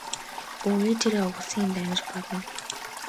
Өө ээжээрээ овоглосон юм байна гэж бодно.